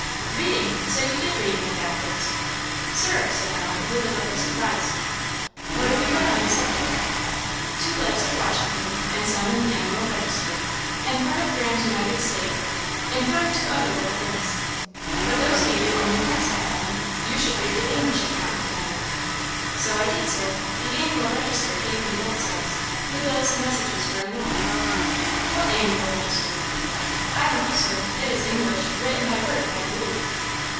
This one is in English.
"Reading! so you did read in the backwoods?" "Sir!" said Ellen, with a look of surprise. "What have you read on this subject?" "Two lives of Washington, and some in the Annual Register, and part of Graham's United State; and one or two other little things." "But those gave you only one side, Ellen; you should read the English account of the matter." "So I did, Sir; the Annual Register gave me both sides; the bills and messages were enough." "What Annual Register?" "I don't know, Sir; it is English; written by Burke, I believe."